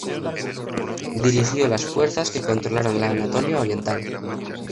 Dirigió las fuerzas que controlaron la Anatolia Oriental.